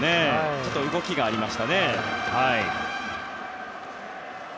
ちょっと動きがありましたね。